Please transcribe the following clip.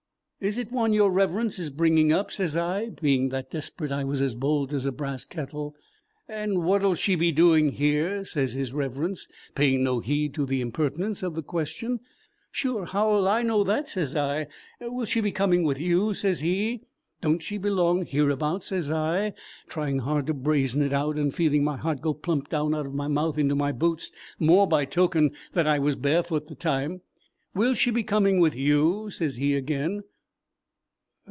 Is it one your Reverence is bringing up?' sez I, being that desperate I was as bold as a brass kettle. 'And what'll she be doing here?' sez his Reverence, paying no heed to the impertinence of the question. 'Sure, how'll I know that?' sez I. 'Will she be coming with you?' sez he. 'Don't she belong hereabouts?' sez I, trying hard to brazen it out, and feeling my heart go plump down out of my mouth into my boots, more by token that I was barefoot the time. 'Will she be coming with you?' sez he again.